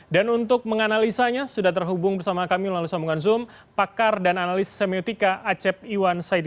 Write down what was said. dan untuk menganalisanya sudah terhubung bersama kami melalui sambungan zoom pakar dan analis semiotika acep iwan said